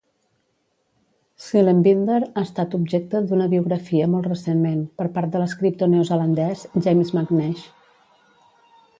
Seelenbinder ha estat objecte d"una biografia molt recentment, per part de l"escriptor neozelandès James McNeish.